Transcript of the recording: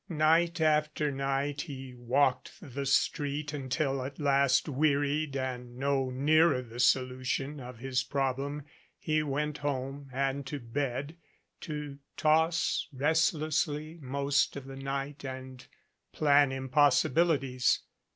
Night after night he walked the street un til, at last, wearied and no nearer the solution of his problem, he went home and to bed, to toss restlessly most of the night and plan impossibilities.